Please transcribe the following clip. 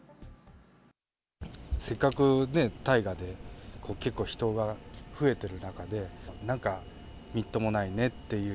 せっかく大河で結構、人が増えてる中で、なんかみっともないねっていう。